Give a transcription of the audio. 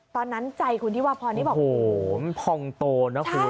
ตอนนั้นใจคุณธิวาพรนี่บอกโอ้โหมันพองโตนะคุณ